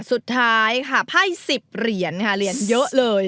สุดท้ายค่ะไพ่๑๐เหรียญค่ะเหรียญเยอะเลย